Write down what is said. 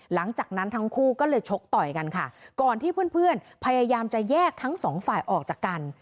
หลังจากนั้นทั้งคู่ก็เลยชกต่อยกันค่ะก่อนที่เพื่อนเพื่อนพยายามจะแยกทั้งสองฝ่ายออกจากกัน